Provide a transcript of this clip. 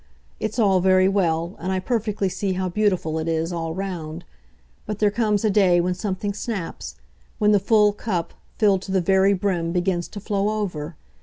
It's all very well, and I perfectly see how beautiful it is, all round; but there comes a day when something snaps, when the full cup, filled to the very brim, begins to flow over.